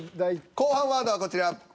後半ワードはこちら。